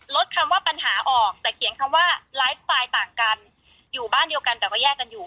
ลดคำว่าปัญหาออกแต่เขียนคำว่าต่างกันอยู่บ้านเดียวกันแบบว่าแยกกันอยู่